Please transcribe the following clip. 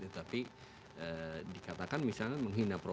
tapi dikatakan misalnya menghindari